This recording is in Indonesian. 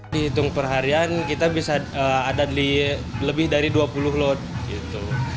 dihitung perharian kita bisa ada lebih dari dua puluh lot